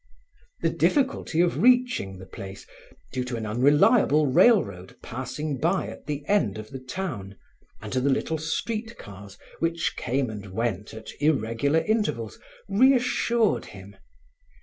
The difficulty of reaching the place, due to an unreliable railroad passing by at the end of the town, and to the little street cars which came and went at irregular intervals, reassured him.